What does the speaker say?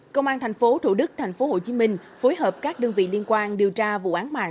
công an thành phố thủ đức thành phố hồ chí minh phối hợp các đơn vị liên quan điều tra vụ án mạng